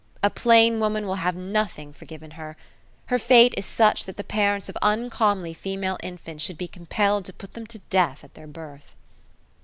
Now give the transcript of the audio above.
A plain woman will have nothing forgiven her. Her fate is such that the parents of uncomely female infants should be compelled to put them to death at their birth.